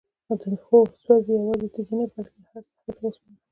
هو؛ سوزي، يوازي تيږي نه بلكي هرڅه، حتى اوسپنه هم